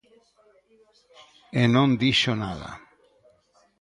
E non dixo nada.